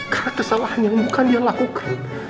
karena kesalahan yang bukan dia lakukan